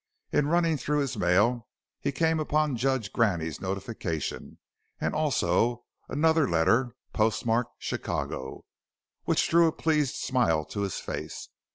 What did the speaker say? In running through his mail he came upon Judge Graney's notification and also another letter, postmarked "Chicago," which drew a pleased smile to his face.